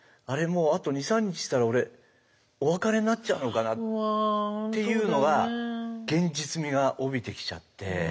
もうあと２３日したら俺お別れになっちゃうのかなっていうのは現実味が帯びてきちゃって。